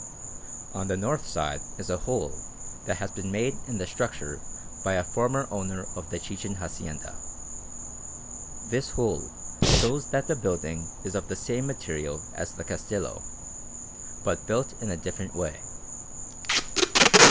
On the north side is a hole that has been made in the structure by a former owner of the Chichen hacienda. This hole shows that the building is of the same material as the Castillo, but built in a different way.